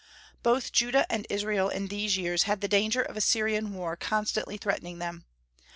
Both Judah and Israel in these years had the danger of a Syrian war constantly threatening them.